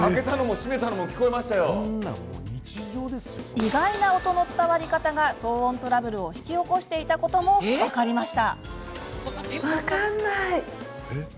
意外な音の伝わり方が騒音トラブルを引き起こしていたことも分かりました。